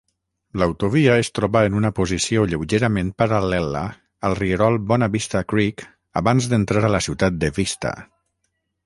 L'autovia es troba en una posició lleugerament paral·lela al rierol Bona Vista Creek abans d'entrar a la ciutat de Vista.